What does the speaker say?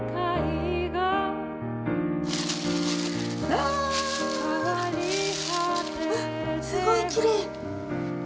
・ああ！あっすごいきれい。